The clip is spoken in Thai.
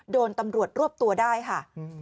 โดนตำรวจรวบตัวได้ค่ะ